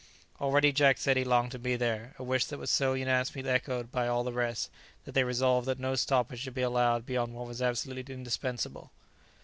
Already Jack said he longed to be there, a wish that was so unanimously echoed by all the rest, that they resolved that no stoppage should be allowed beyond what was absolutely indispensable.